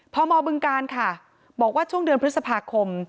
พมบึงการค่ะบอกว่าช่วงเดือนพฤษภาคม